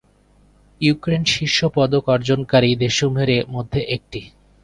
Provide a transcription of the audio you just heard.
Ukraine শীর্ষ পদক অর্জনকারী দেশসমূহের মধ্যে একটি।